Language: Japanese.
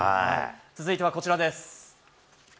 続いてはこちらです。